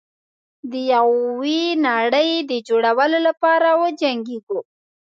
د یوې نړۍ د جوړولو لپاره وجنګیږو.